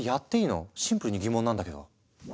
シンプルに疑問なんだけど。